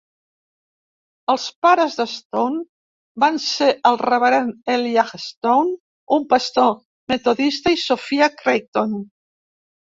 Els pares de Stone van ser el reverend Elijah Stone, un pastor metodista, i Sophia Creighton.